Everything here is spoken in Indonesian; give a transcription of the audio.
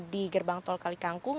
di gerbang tol kali kangkung